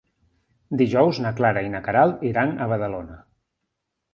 Dijous na Clara i na Queralt iran a Badalona.